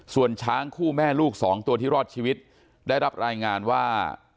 ส่วนช้างคู่แม่ลูกสองตัวที่รอดชีวิตได้รับรายงานว่า